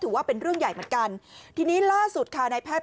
ถือว่าเป็นเรื่องใหญ่เหมือนกันทีนี้ล่าสุดค่ะในแพทย์